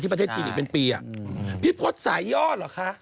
พี่พลส์สายยอดเหรอคะ